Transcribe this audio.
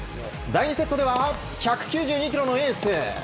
第２セットでは１９２キロのエース。